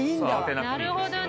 なるほどね。